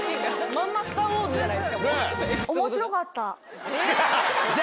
まんま『スター・ウォーズ』じゃないですかもう。え！